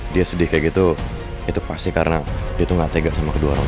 dia sedih kayak gitu itu pasti karena dia tuh gak tega sama kedua orang